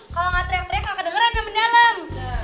kalau gak teriak teriak gak kedengeran yang mendalam